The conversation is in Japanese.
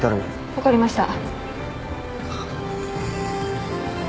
分かりました。